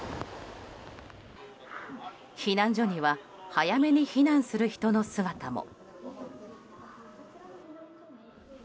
避難所には早めに避難する人の姿も。